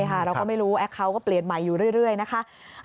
เราก็ไม่รู้แอคเคาน์ก็เปลี่ยนใหม่อยู่เรื่อยนะคะ